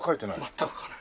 全く描かない。